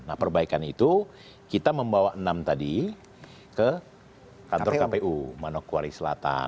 nah perbaikan itu kita membawa enam tadi ke kantor kpu manokwari selatan